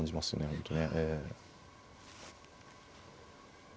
本当ね。